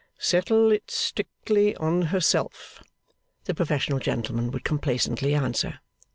'Settle it strictly on herself,' the professional gentleman would complacently answer.